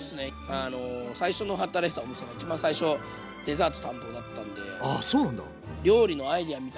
あの最初の働いてたお店が一番最初デザート担当だったんで。